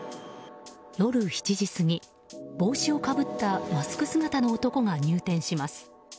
夜７時過ぎ、帽子をかぶったマスク姿の男が入店します。